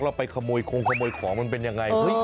แล้วไปขโมยคงขโมยของมันเป็นยังไง